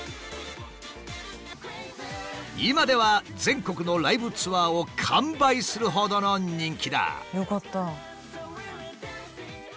今では全国のライブツアーを完売するほどの人気だ。よかった。